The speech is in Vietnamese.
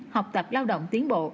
học tập lao động tiến bộ